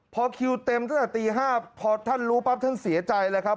พอคิวเต็มตั้งแต่ตี๕พอท่านรู้ปั๊บท่านเสียใจเลยครับ